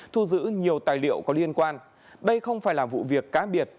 thu giữ nhiều tài liệu có liên quan đây không phải là vụ việc cá biệt